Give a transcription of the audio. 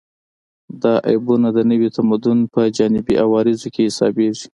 دا عیبونه د نوي تمدن په جانبي عوارضو کې حسابېږي